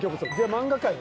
「漫画界の」